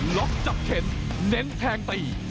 ล็อกจับเข็นเน้นแทงตี